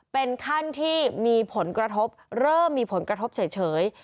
เป็นขั้นที่มีผลกระทบเริ่มมีผลกระทบเฉย